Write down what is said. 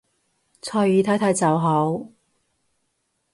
隨意睇睇就好